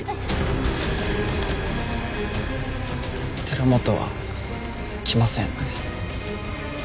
寺本は来ません。